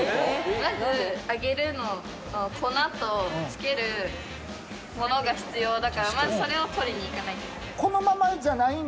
まず揚げるの粉とつけるものが必要だからまずそれを取りにいかないといけない・